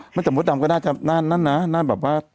เมื่อจำเปิดจำก็น่าจะนั่นน่ะน่าแบบว่า